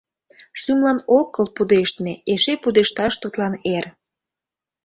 Шӱмлан ок кӱл пудештме: Эше пудешташ тудлан эр.